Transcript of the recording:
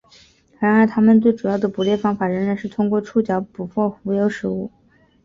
然而它们最主要的捕猎方法仍然是通过触角捕获浮游动物。